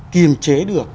kìm chế được